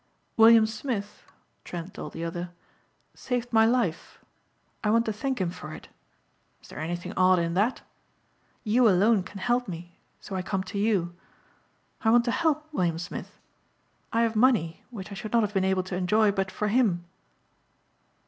"William Smith," Trent told the other, "saved my life. I want to thank him for it. Is there anything odd in that? You alone can help me so I come to you. I want to help William Smith. I have money which I should not have been able to enjoy but for him."